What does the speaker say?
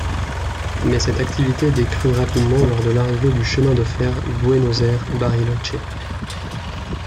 Mais cette activité décrût rapidement lors de l'arrivée du chemin de fer Buenos Aires-Bariloche.